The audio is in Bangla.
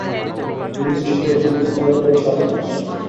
যিনি সৃষ্টি করেছেন স্তরে স্তরে সাত আকাশ।